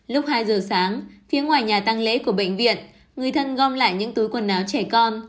lúc hai giờ sáng phía ngoài nhà tăng lễ của bệnh viện người thân gom lại những túi quần áo trẻ con